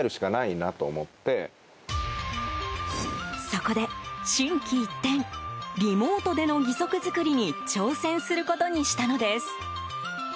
そこで心機一転リモートでの義足作りに挑戦することにしたのです。